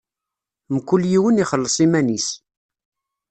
Mkul yiwen ixelleṣ iman-is.